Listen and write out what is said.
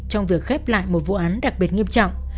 trong việc khép lại một vụ án đặc biệt nghiêm trọng